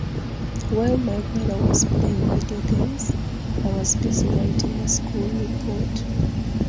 While my brother was playing video games, I was busy writing a school report.